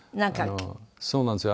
そうなんですよ。